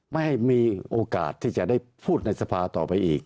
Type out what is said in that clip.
ไม่ให้มีโอกาสที่จะได้พูดในสภาต่อไปอีก